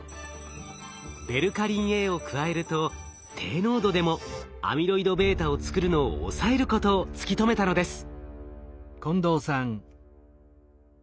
ベルカリンＡを加えると低濃度でもアミロイドβを作るのを抑えることを突き止めたのです。